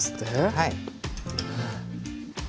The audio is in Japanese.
はい。